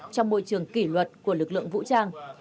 trong môi trường kỷ luật của lực lượng vũ trang